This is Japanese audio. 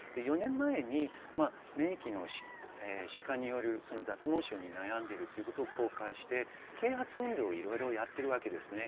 ４年前に免疫の弛緩による脱毛症に悩んでいるということを公開して啓発運動をいろいろやっています。